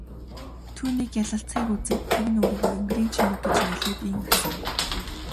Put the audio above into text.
Түүний гялалзахыг үзээд тэвнэ өөрийгөө энгэрийн чимэг гэж нэрлээд ийн асуув.